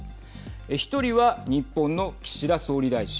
１人は日本の岸田総理大臣。